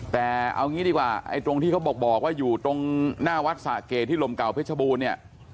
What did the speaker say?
แต่เอางี้ดีกว่าไอ้ตรงที่เขาบอกว่าอยู่ตรงหน้าวัดสะเกดที่ลมเก่าเพชรบูรณ์เนี่ย